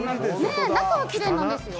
中はきれいなんですよ。